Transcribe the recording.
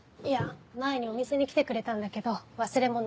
前にお店に来てくれたんだけど忘れ物。